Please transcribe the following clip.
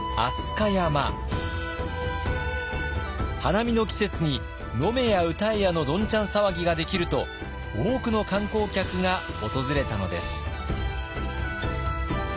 花見の季節に飲めや歌えやのどんちゃん騒ぎができると多くの観光客が訪れたのです。